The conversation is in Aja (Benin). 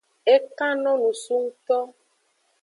E kan no nusu ngto.